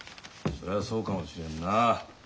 そりゃそうかもしれんな。